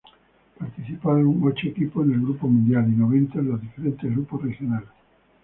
Participaron ocho equipos en el Grupo Mundial y noventa en los diferentes grupos regionales.